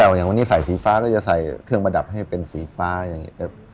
อย่างวันนี้ใส่สีฟ้าก็จะใส่เครื่องประดับให้เป็นสีฟ้าอย่างนี้